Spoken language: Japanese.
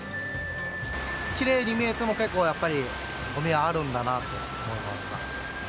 きれいに見えても結構やっぱりごみはあるんだなと思いました。